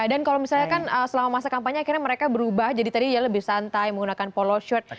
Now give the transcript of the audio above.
dan kalau misalnya kan selama masa kampanye akhirnya mereka berubah jadi tadi lebih santai menggunakan polo shirt